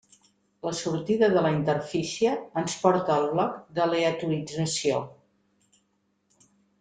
La sortida de la interfície ens porta al bloc d'aleatorització.